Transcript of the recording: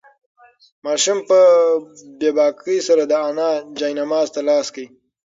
ماشوم په بې باکۍ سره د انا جاینماز ته لاس کړ.